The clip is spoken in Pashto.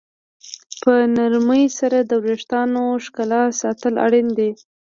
په نرمۍ سره د ویښتانو ښکلا ساتل اړین دي.